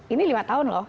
ini lima tahun loh